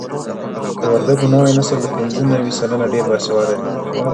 د وردګو نوی نسل له پنځه نوي سلنه ډېر باسواده دي.